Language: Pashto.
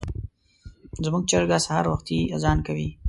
زموږ چرګه سهار وختي اذان کوي.